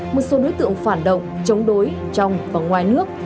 một số đối tượng phản động chống đối trong và ngoài nước